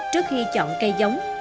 trước khi chọn cây giống